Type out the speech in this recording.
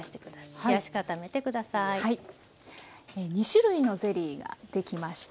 ２種類のゼリーができました。